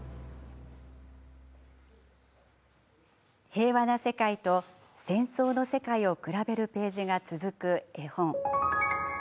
平和な世界と戦争の世界を比べるページが続く絵本。